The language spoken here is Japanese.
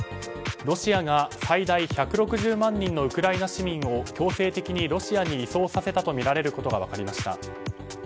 ロシアが最大１６０万人のウクライナ市民を強制的にロシアに移送させたとみられることが分かりました。